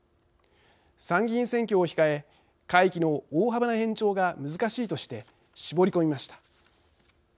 参議院選挙を控え会期の大幅な延長が難しいとして絞り込みました。